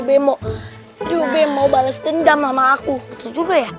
betul juga ya